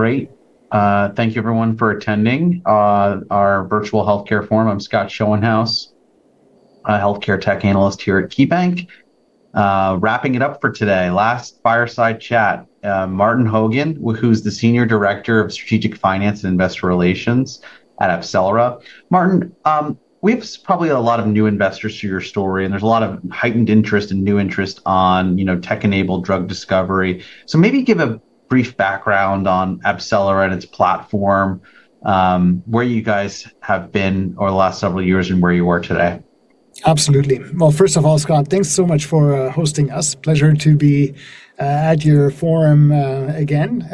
Great. Thank you everyone for attending our Virtual Healthcare Forum. I'm Scott Schoenhaus, a Healthcare Tech Analyst here at KeyBanc. Wrapping it up for today, last fireside chat, Martin Hogan, who's the Senior Director of Strategic Finance and Investor Relations at AbCellera. Martin, we've probably a lot of new investors to your story, and there's a lot of heightened interest and new interest on, you know, tech-enabled drug discovery. Maybe give a brief background on AbCellera and its platform, where you guys have been over the last several years and where you are today. Absolutely. Well, first of all, Scott, thanks so much for hosting us. Pleasure to be at your forum again.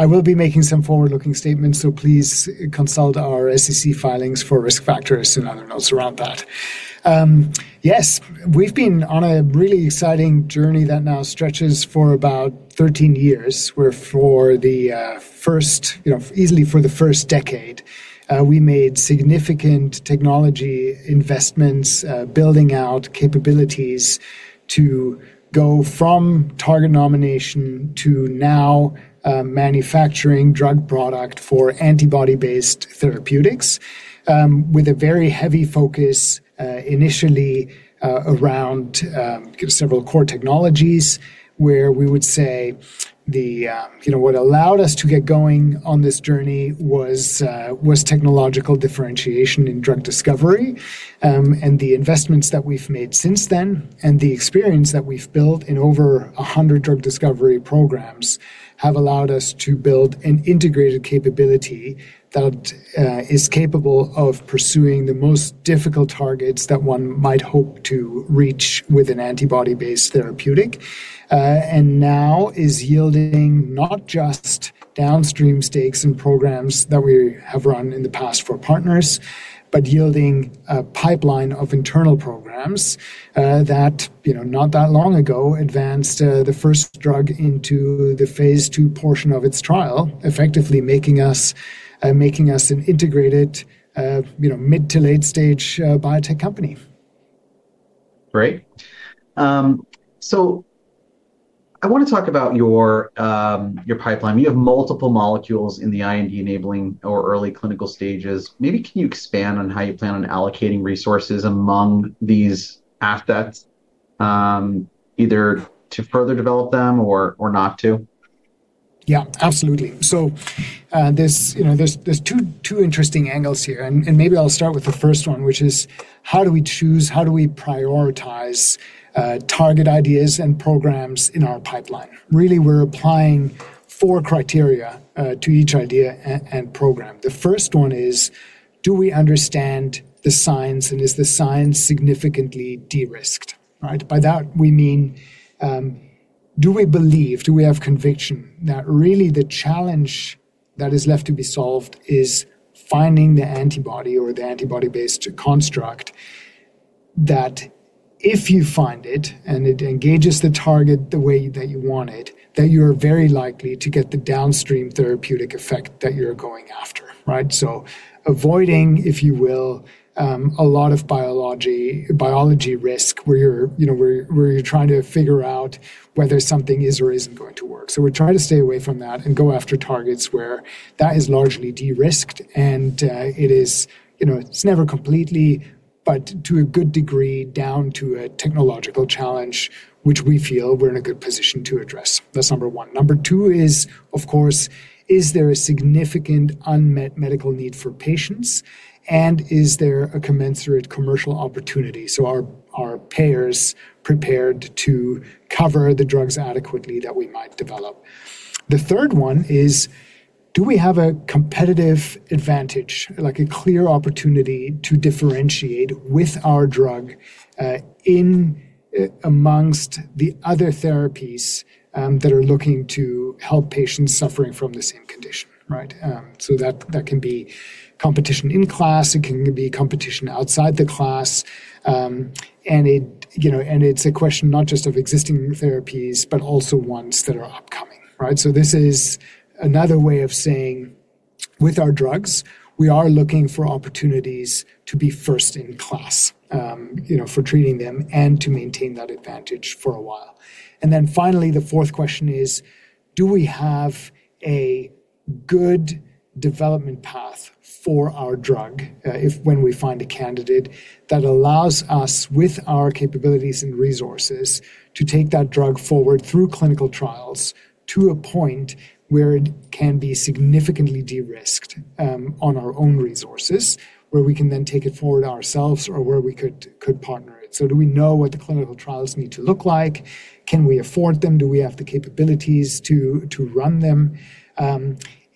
I will be making some forward-looking statements, so please consult our SEC filings for risk factors and other notes around that. Yes, we've been on a really exciting journey that now stretches for about 13 years, where for the first, you know, easily for the first decade, we made significant technology investments, building out capabilities to go from target nomination to now manufacturing drug product for antibody-based therapeutics, with a very heavy focus initially around several core technologies where we would say the, you know, what allowed us to get going on this journey was technological differentiation in drug discovery. The investments that we've made since then and the experience that we've built in over a hundred drug discovery programs have allowed us to build an integrated capability that is capable of pursuing the most difficult targets that one might hope to reach with an antibody-based therapeutic. Now is yielding not just downstream stakes and programs that we have run in the past for partners, but yielding a pipeline of internal programs that, you know, not that long ago advanced the first drug into the phase II portion of its trial, effectively making us an integrated, you know, mid to late stage biotech company. Great. I wanna talk about your pipeline. You have multiple molecules in the IND-enabling or early clinical stages. Maybe can you expand on how you plan on allocating resources among these assets, either to further develop them or not to? Yeah, absolutely. There's you know there are two interesting angles here, and maybe I'll start with the first one, which is how do we choose, how do we prioritize target ideas and programs in our pipeline. Really, we're applying four criteria to each idea and program. The first one is, do we understand the science and is the science significantly de-risked. Right. By that we mean, do we believe, do we have conviction that really the challenge that is left to be solved is finding the antibody or the antibody-based construct that if you find it and it engages the target the way that you want it, that you're very likely to get the downstream therapeutic effect that you're going after, right. Avoiding, if you will, a lot of biology risk where you're, you know, trying to figure out whether something is or isn't going to work. We try to stay away from that and go after targets where that is largely de-risked and it is, you know, it's never completely, but to a good degree down to a technological challenge, which we feel we're in a good position to address. That's number one. Number two is, of course, there a significant unmet medical need for patients, and is there a commensurate commercial opportunity? Are payers prepared to cover the drugs adequately that we might develop? The third one is, do we have a competitive advantage, like a clear opportunity to differentiate with our drug, in among the other therapies that are looking to help patients suffering from the same condition, right? That can be competition in class, it can be competition outside the class. It, you know, it's a question not just of existing therapies, but also ones that are upcoming, right? This is another way of saying, with our drugs, we are looking for opportunities to be first in class, you know, for treating them and to maintain that advantage for a while. Finally, the fourth question is, do we have a good development path for our drug, if, when we find a candidate that allows us with our capabilities and resources to take that drug forward through clinical trials to a point where it can be significantly de-risked, on our own resources, where we can then take it forward ourselves or where we could partner it. Do we know what the clinical trials need to look like? Can we afford them? Do we have the capabilities to run them?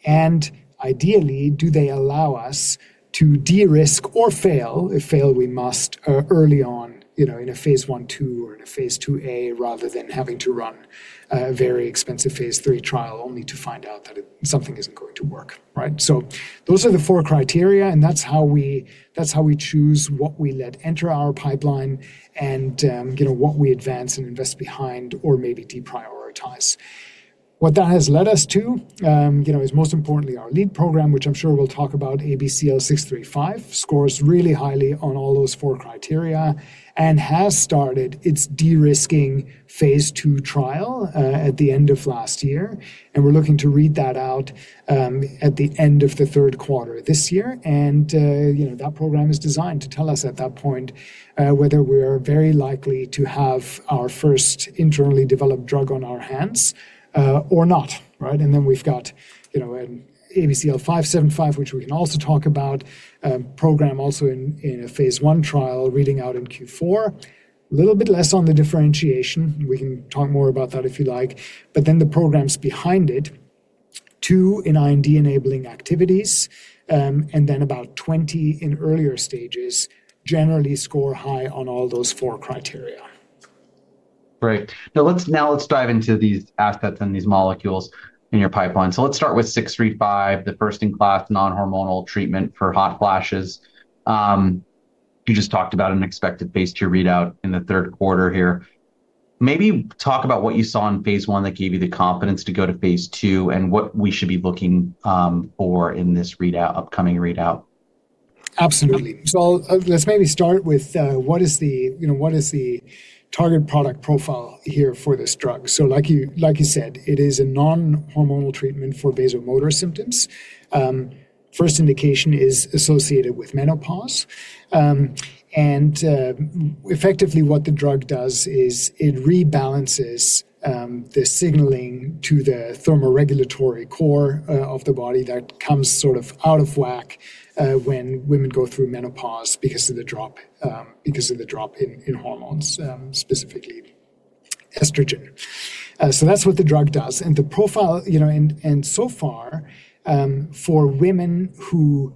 And ideally, do they allow us to de-risk or fail, if fail we must, early on, you know, in a phase I, II or in a phase II-a rather than having to run a very expensive phase III trial only to find out that something isn't going to work, right? Those are the four criteria, and that's how we choose what we let enter our pipeline and, you know, what we advance and invest behind or maybe deprioritize. What that has led us to, you know, is most importantly our lead program, which I'm sure we'll talk about, ABCL635, scores really highly on all those four criteria and has started its de-risking phase II trial at the end of last year. We're looking to read that out at the end of the third quarter this year. You know, that program is designed to tell us at that point whether we're very likely to have our first internally developed drug on our hands or not, right? We've got, you know, ABCL575, which we can also talk about, a program also in a phase I trial reading out in Q4. A little bit less on the differentiation. We can talk more about that if you like. The programs behind it, two in IND-enabling activities, and then about 20 in earlier stages, generally score high on all those four criteria. Great. Now let's dive into these assets and these molecules in your pipeline. Let's start with ABCL635, the first-in-class non-hormonal treatment for hot flashes. You just talked about an expected phase II readout in the third quarter here. Maybe talk about what you saw in phase I that gave you the confidence to go to phase II, and what we should be looking for in this upcoming readout. Absolutely. Let's maybe start with what is the target product profile here for this drug. Like you said, it is a non-hormonal treatment for vasomotor symptoms. First indication is associated with menopause. Effectively what the drug does is it rebalances the signaling to the thermoregulatory core of the body that comes sort of out of whack when women go through menopause because of the drop in hormones specifically estrogen. That's what the drug does. The profile, you know, so far for women who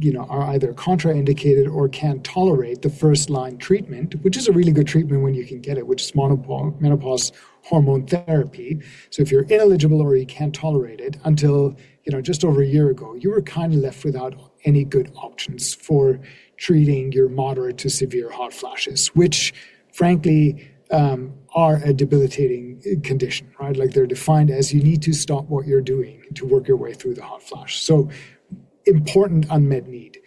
you know are either contraindicated or can't tolerate the first-line treatment, which is a really good treatment when you can get it, which is menopausal hormone therapy. If you're ineligible or you can't tolerate it, until, you know, just over a year ago, you were kind of left without any good options for treating your moderate to severe hot flashes, which frankly, are a debilitating condition, right? Like, they're defined as you need to stop what you're doing to work your way through the hot flash. Important unmet need.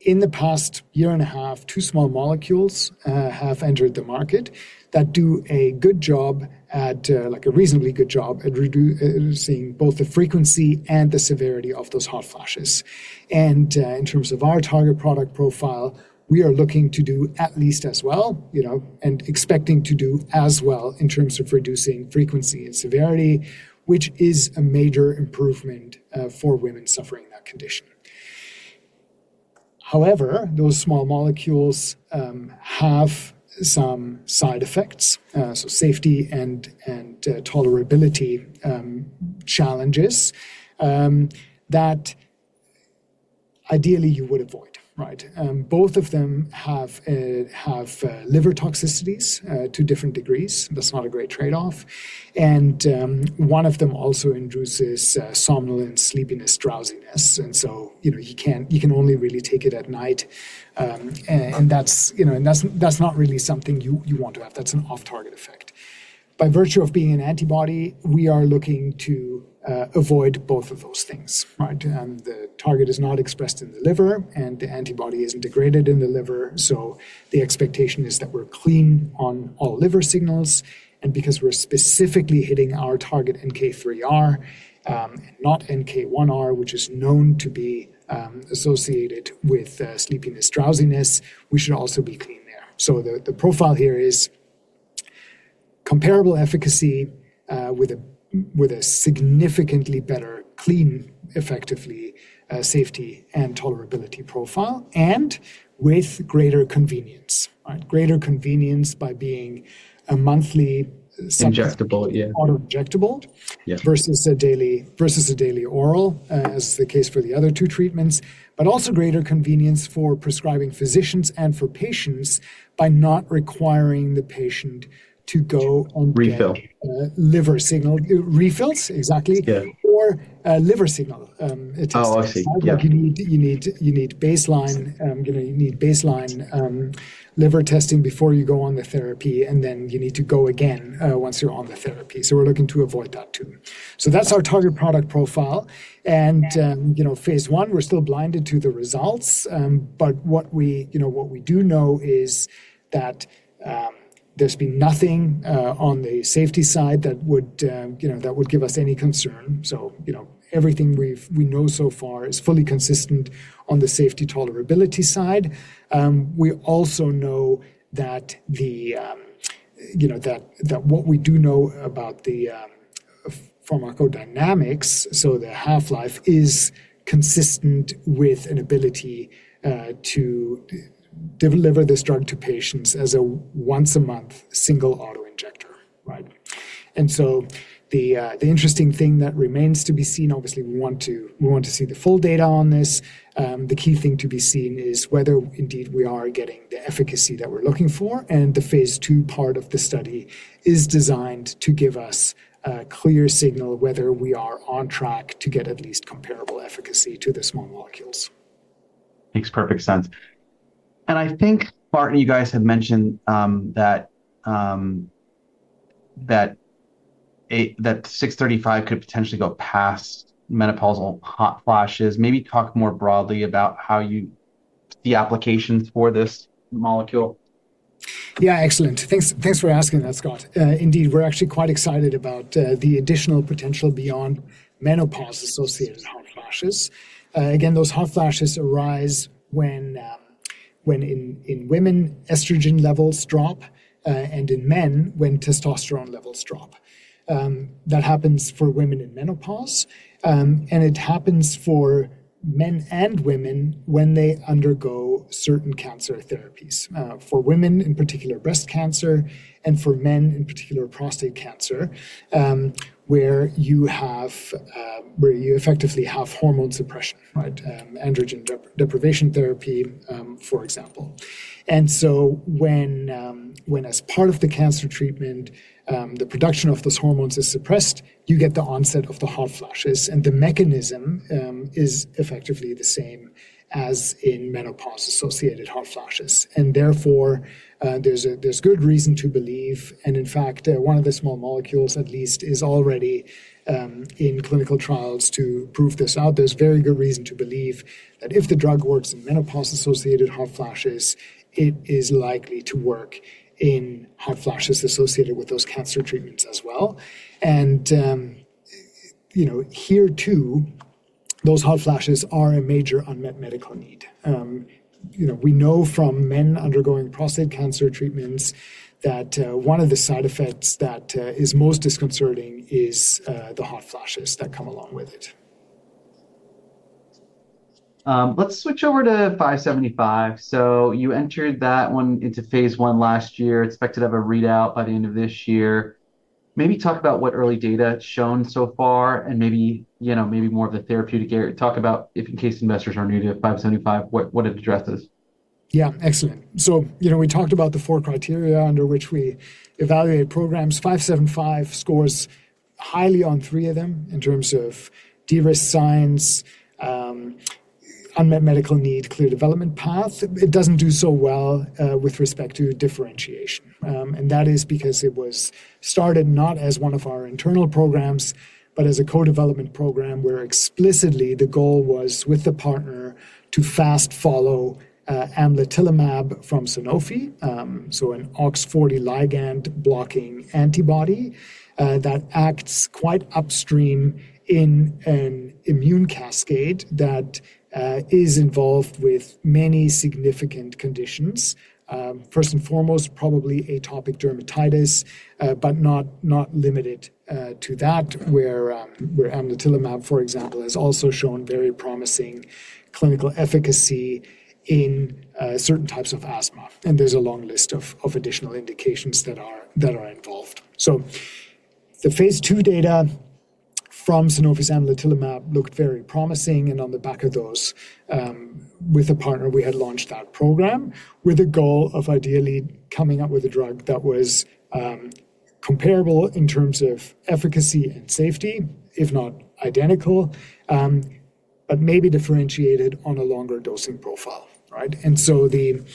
In the past year and a half, two small molecules, have entered the market that do a good job at, like a reasonably good job at reducing both the frequency and the severity of those hot flashes. In terms of our target product profile, we are looking to do at least as well, you know, and expecting to do as well in terms of reducing frequency and severity, which is a major improvement, for women suffering that condition. However, those small molecules have some side effects, so safety and tolerability challenges that ideally you would avoid, right? Both of them have liver toxicities to different degrees. That's not a great trade-off. One of them also induces somnolence, sleepiness, drowsiness. You know, you can only really take it at night. And that's, you know, that's not really something you want to have. That's an off-target effect. By virtue of being an antibody, we are looking to avoid both of those things, right? The target is not expressed in the liver, and the antibody isn't degraded in the liver, so the expectation is that we're clean on all liver signals. Because we're specifically hitting our target NK3R, and not NK1R, which is known to be associated with sleepiness, drowsiness, we should also be clean there. The profile here is comparable efficacy with a significantly better clean, effectively safety and tolerability profile, and with greater convenience, right? Greater convenience by being a monthly- Injectable, yeah. Auto-injectable- Yeah Versus a daily oral, as is the case for the other two treatments. Also greater convenience for prescribing physicians and for patients by not requiring the patient to go on. Refill Liver signal. Refills, exactly. Yeah. A liver signal, a test. Oh, I see. Yeah. You need baseline liver testing before you go on the therapy, and then you need to go again once you're on the therapy. We're looking to avoid that too. That's our target product profile. You know, phase I, we're still blinded to the results. But what we do know is that there's been nothing on the safety side that would give us any concern. You know, everything we know so far is fully consistent on the safety tolerability side. We also know that what we do know about the pharmacodynamics, so the half-life is consistent with an ability to deliver this drug to patients as a once-a-month single auto-injector, right? The interesting thing that remains to be seen, obviously we want to see the full data on this. The key thing to be seen is whether indeed we are getting the efficacy that we're looking for, and the phase II part of the study is designed to give us a clear signal whether we are on track to get at least comparable efficacy to the small molecules. Makes perfect sense. I think, Martin, you guys have mentioned that ABCL635 could potentially go past menopausal hot flashes. Maybe talk more broadly about how you the applications for this molecule. Yeah. Excellent. Thanks for asking that, Scott. Indeed, we're actually quite excited about the additional potential beyond menopause-associated hot flashes. Again, those hot flashes arise when in women, estrogen levels drop, and in men, when testosterone levels drop. That happens for women in menopause, and it happens for men and women when they undergo certain cancer therapies. For women, in particular, breast cancer, and for men, in particular, prostate cancer, where you effectively have hormone suppression, right? Androgen deprivation therapy, for example. When as part of the cancer treatment, the production of those hormones is suppressed, you get the onset of the hot flashes, and the mechanism is effectively the same as in menopause-associated hot flashes. Therefore, there's good reason to believe, and in fact, one of the small molecules at least is already in clinical trials to prove this out. There's very good reason to believe that if the drug works in menopause-associated hot flashes, it is likely to work in hot flashes associated with those cancer treatments as well. You know, here too, those hot flashes are a major unmet medical need. You know, we know from men undergoing prostate cancer treatments that one of the side effects that is most disconcerting is the hot flashes that come along with it. Let's switch over to ABCL575. You entered that one into phase I last year, expected to have a readout by the end of this year. Maybe talk about what early data it's shown so far and maybe, you know, maybe more of the therapeutic area. Talk about if in case investors are new to ABCL575, what it addresses. Yeah. Excellent. You know, we talked about the four criteria under which we evaluate programs. ABCL575 scores highly on three of them in terms of de-risking, unmet medical need, clear development path. It doesn't do so well with respect to differentiation. That is because it was started not as one of our internal programs but as a co-development program where explicitly the goal was with the partner to fast follow amlitelimab from Sanofi, so an OX40 ligand blocking antibody that acts quite upstream in an immune cascade that is involved with many significant conditions. First and foremost, probably atopic dermatitis but not limited to that where amlitelimab, for example, has also shown very promising clinical efficacy in certain types of asthma. There's a long list of additional indications that are involved. The phase II data from Sanofi's amlitelimab looked very promising. On the back of those, with a partner, we had launched that program with a goal of ideally coming up with a drug that was comparable in terms of efficacy and safety, if not identical, but maybe differentiated on a longer dosing profile, right? The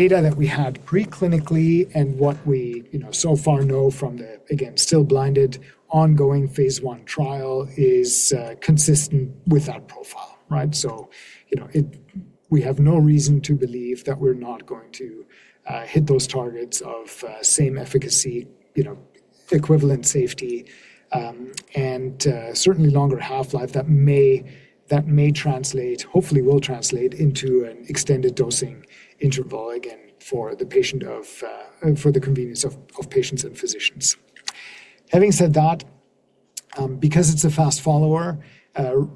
data that we had pre-clinically and what we, you know, so far know from the, again, still blinded ongoing phase I trial is consistent with that profile, right? You know, we have no reason to believe that we're not going to hit those targets of same efficacy, you know, equivalent safety, and certainly longer half-life that may translate, hopefully will translate into an extended dosing interval, again, for the convenience of patients and physicians. Having said that, because it's a fast follower,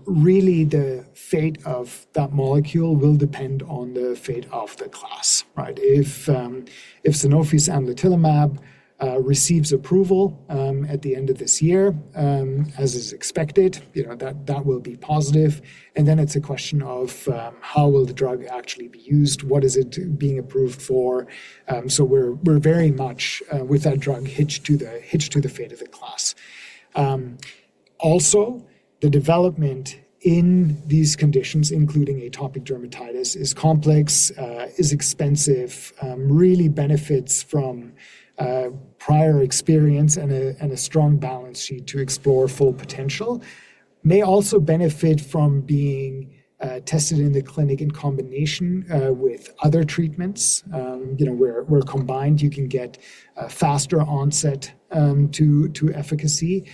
really the fate of that molecule will depend on the fate of the class, right? If Sanofi's amlitelimab receives approval at the end of this year, as is expected, you know, that will be positive, and then it's a question of how will the drug actually be used? What is it being approved for? We're very much with that drug hitched to the fate of the class. Also, the development in these conditions, including atopic dermatitis, is complex, is expensive, really benefits from prior experience and a strong balance sheet to explore full potential. May also benefit from being tested in the clinic in combination with other treatments, you know, where combined you can get a faster onset to efficacy.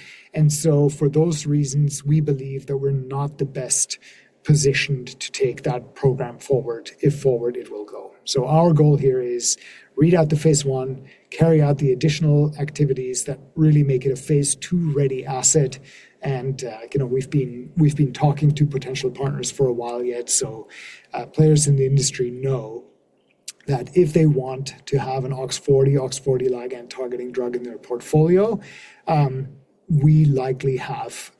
For those reasons, we believe that we're not the best positioned to take that program forward, if forward it will go. Our goal here is read out the Phase I, carry out the additional activities that really make it a Phase II-ready asset, and, you know, we've been talking to potential partners for a while yet. Players in the industry know that if they want to have an OX40, OX40L targeting drug in their portfolio, we likely have,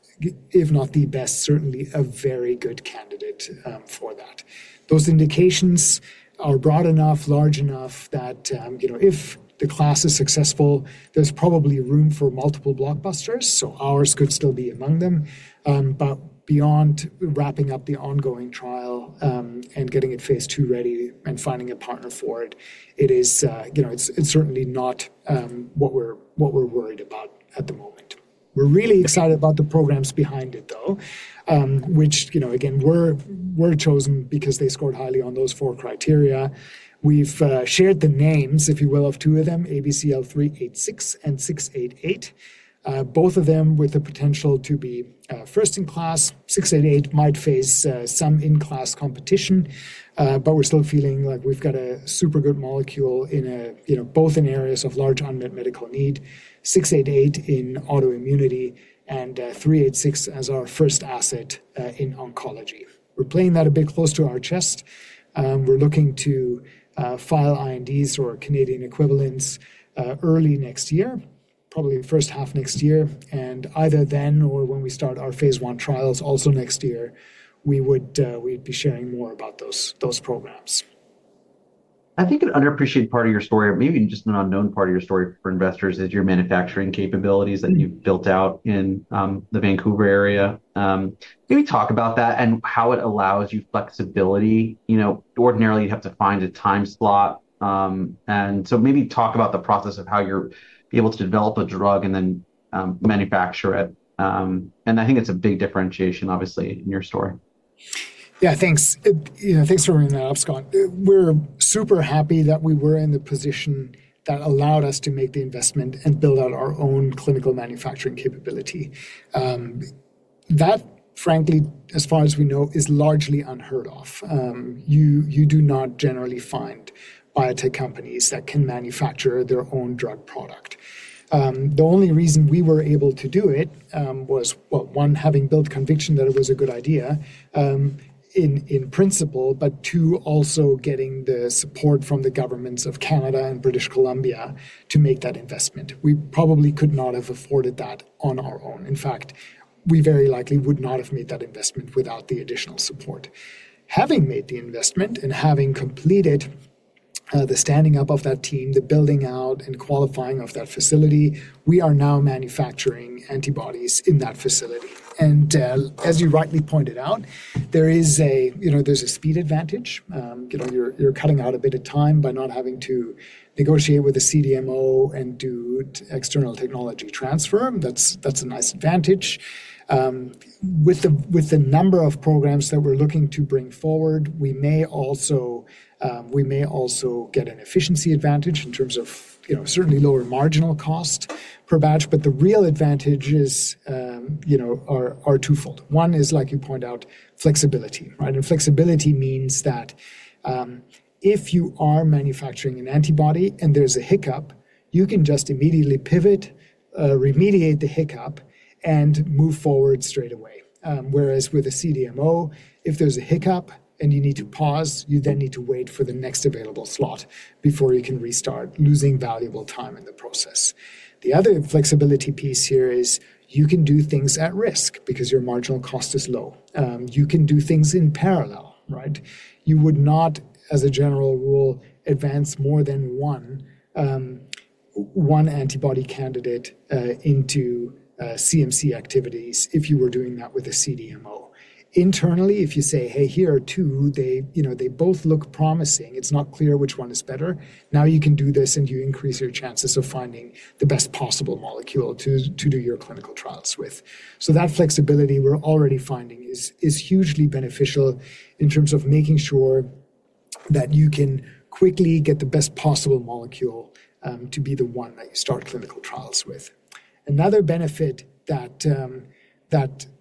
if not the best, certainly a very good candidate, for that. Those indications are broad enough, large enough that, you know, if the class is successful, there's probably room for multiple blockbusters, so ours could still be among them. Beyond wrapping up the ongoing trial, and getting it phase II ready and finding a partner for it. It is, you know, it's certainly not, what we're worried about at the moment. We're really excited about the programs behind it though, which, you know, again, were chosen because they scored highly on those four criteria. We've shared the names, if you will, of two of them, ABCL386 and ABCL688, both of them with the potential to be first in class. ABCL688 might face some in-class competition, but we're still feeling like we've got a super good molecule in a. You know, both in areas of large unmet medical need, ABCL688 in autoimmunity and ABCL386 as our first asset in oncology. We're playing that a bit close to our chest. We're looking to file INDs or Canadian equivalents early next year, probably the first half next year. Either then or when we start our phase I trials also next year, we'd be sharing more about those programs. I think an underappreciated part of your story, or maybe just an unknown part of your story for investors, is your manufacturing capabilities that you've built out in the Vancouver area. Can you talk about that and how it allows you flexibility? You know, ordinarily, you'd have to find a time slot, and so maybe talk about the process of how you're able to develop a drug and then manufacture it. I think it's a big differentiation obviously in your story. Yeah, thanks. You know, thanks for bringing that up, Scott. We're super happy that we were in the position that allowed us to make the investment and build out our own clinical manufacturing capability. That frankly, as far as we know, is largely unheard of. You do not generally find biotech companies that can manufacture their own drug product. The only reason we were able to do it was, well, one, having built conviction that it was a good idea, in principle, but two, also getting the support from the governments of Canada and British Columbia to make that investment. We probably could not have afforded that on our own. In fact, we very likely would not have made that investment without the additional support. Having made the investment and having completed the standing up of that team, the building out and qualifying of that facility, we are now manufacturing antibodies in that facility. As you rightly pointed out, there is a speed advantage. You know, you're cutting out a bit of time by not having to negotiate with a CDMO and do the external technology transfer. That's a nice advantage. With the number of programs that we're looking to bring forward, we may also get an efficiency advantage in terms of certainly lower marginal cost per batch. But the real advantage is twofold. One is, like you point out, flexibility, right? Flexibility means that, if you are manufacturing an antibody and there's a hiccup, you can just immediately pivot, remediate the hiccup, and move forward straight away. Whereas with a CDMO, if there's a hiccup and you need to pause, you then need to wait for the next available slot before you can restart, losing valuable time in the process. The other flexibility piece here is you can do things at risk because your marginal cost is low. You can do things in parallel, right? You would not, as a general rule, advance more than one antibody candidate into CMC activities if you were doing that with a CDMO. Internally, if you say, "Hey, here are two. They, you know, they both look promising. It's not clear which one is better," now you can do this, and you increase your chances of finding the best possible molecule to do your clinical trials with. That flexibility we're already finding is hugely beneficial in terms of making sure that you can quickly get the best possible molecule to be the one that you start clinical trials with. Another benefit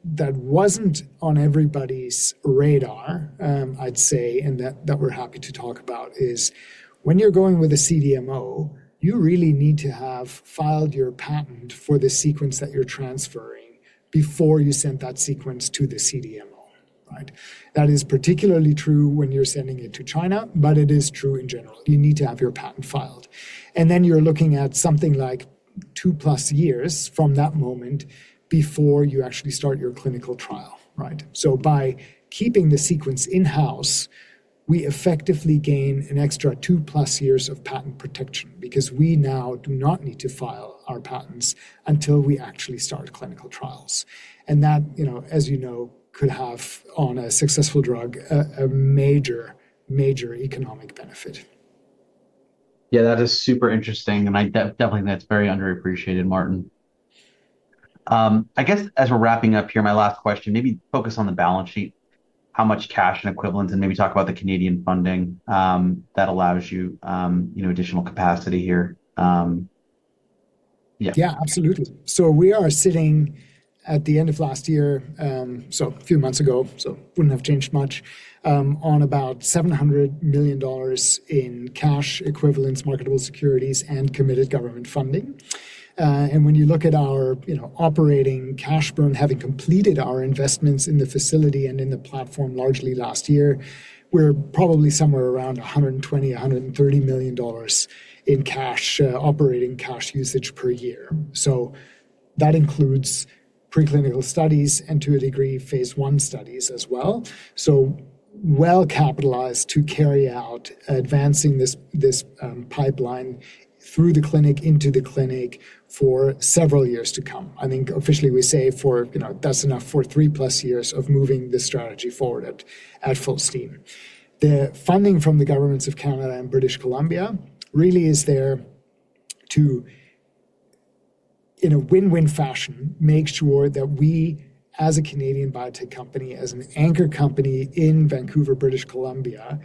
that wasn't on everybody's radar, I'd say, and that we're happy to talk about is when you're going with a CDMO, you really need to have filed your patent for the sequence that you're transferring before you send that sequence to the CDMO, right? That is particularly true when you're sending it to China, but it is true in general. You need to have your patent filed. Then you're looking at something like 2+ years from that moment before you actually start your clinical trial, right? By keeping the sequence in-house, we effectively gain an extra 2+ years of patent protection because we now do not need to file our patents until we actually start clinical trials. That, you know, as you know, could have, on a successful drug, a major economic benefit. Yeah, that is super interesting, and I definitely that's very underappreciated, Martin. I guess as we're wrapping up here, my last question, maybe focus on the balance sheet. How much cash and equivalents, and maybe talk about the Canadian funding that allows you know, additional capacity here. Yeah. Yeah, absolutely. We are sitting at the end of last year, so a few months ago, so wouldn't have changed much, on about $700 million in cash equivalents, marketable securities, and committed government funding. When you look at our, you know, operating cash burn, having completed our investments in the facility and in the platform largely last year, we're probably somewhere around $120-$130 million in cash, operating cash usage per year. That includes preclinical studies and, to a degree, phase I studies as well. Well capitalized to carry out advancing this pipeline through the clinic, into the clinic for several years to come. I think officially we say for, you know, that's enough for 3+ years of moving this strategy forward at full steam. The funding from the governments of Canada and British Columbia really is there to, in a win-win fashion, make sure that we as a Canadian biotech company, as an anchor company in Vancouver, British Columbia,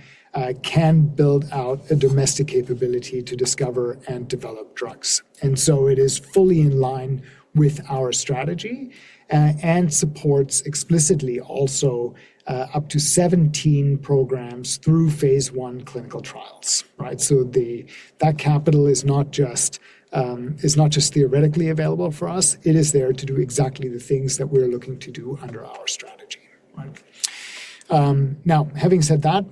can build out a domestic capability to discover and develop drugs. It is fully in line with our strategy and supports explicitly also up to 17 programs through phase I clinical trials, right? That capital is not just theoretically available for us, it is there to do exactly the things that we're looking to do under our strategy. Right. Now having said that,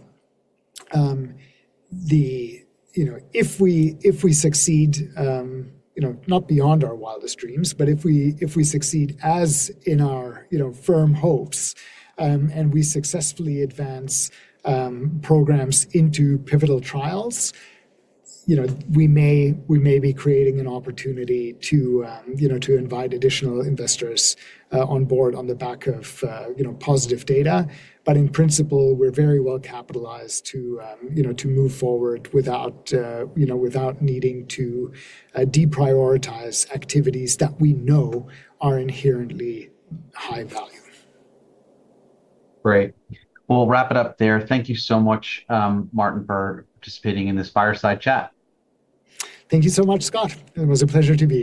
the You know, if we succeed, you know, not beyond our wildest dreams, but if we succeed as in our, you know, firm hopes, and we successfully advance programs into pivotal trials, you know, we may be creating an opportunity to, you know, to invite additional investors on board on the back of, you know, positive data. In principle, we're very well capitalized to, you know, to move forward without, you know, without needing to deprioritize activities that we know are inherently high value. Great. We'll wrap it up there. Thank you so much, Martin, for participating in this fireside chat. Thank you so much, Scott. It was a pleasure to be here.